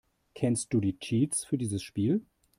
Kennst du Cheats für dieses Spiel?